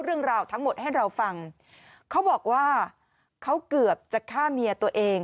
เรื่องราวทั้งหมดให้เราฟังเขาบอกว่าเขาเกือบจะฆ่าเมียตัวเอง